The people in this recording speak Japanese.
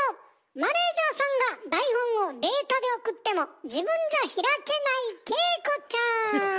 マネージャーさんが台本をデータで送っても自分じゃ開けない景子ちゃん！